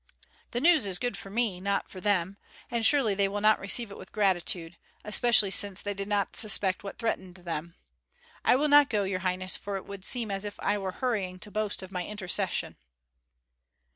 "The news is good for me, not for them; and surely they will not receive it with gratitude, especially since they did not suspect what threatened them. I will not go, your highness, for it would seem as if I were hurrying to boast of my intercession."